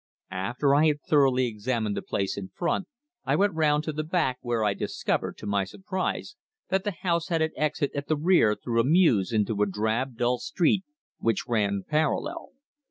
After I had thoroughly examined the place in front, I went round to the back, where I discovered, to my surprise, that the house had an exit at the rear through a mews into a drab, dull street which ran parallel.